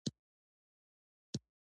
د شوګیراو د محفل څراغ دې ستا وي